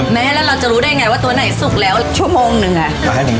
ไหมแล้วเราจะรู้ได้ไงว่าตัวไหนสุกแล้วชั่วโมงนึงอะเอาให้ผมเกลี่ย